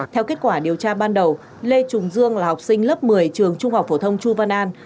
theo kết quả điều tra ban đầu lê trung dương là học sinh lớp một mươi trường trung học phổ thông chu văn an